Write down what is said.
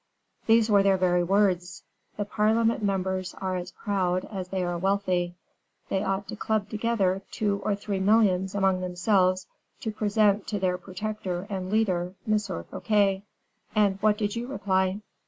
"These were their very words: 'The parliament members are as proud as they are wealthy; they ought to club together two or three millions among themselves, to present to their protector and leader, M. Fouquet.'" "And what did you reply?"